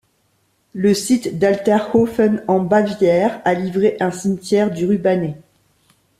Le site d'Alterhofen en Bavière a livré un cimetière du Rubané.